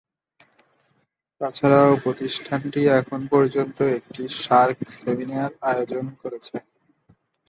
তাছাড়াও প্রতিষ্ঠানটি এখন পর্যন্ত একটি সার্ক সেমিনার আয়োজন করেছে।